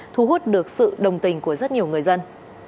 thu hút được sự đồng tình của rất nhiều người dân